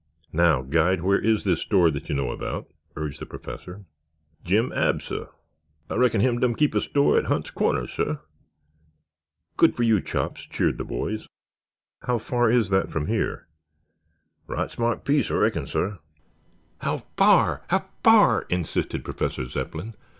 Now, guide, where is this store that you know about?" urged the Professor. "Jim Abs', sah. Ah reckon him done keep a store at Hunt's Corners, sah." "Good for you, Chops," cheered the boys. "How far is that from here?" "Right smart piece, ah reckon, sah." "How far, how far?" insisted Professor Zepplin.